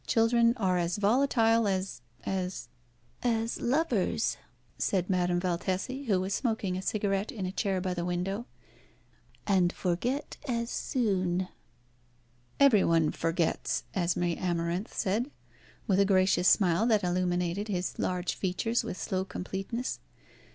Children are as volatile as as " "As lovers," said Madame Valtesi, who was smoking a cigarette in a chair by the window. "And forget as soon." "Every one forgets," Esmé Amarinth said, with a gracious smile that illuminated his large features with slow completeness.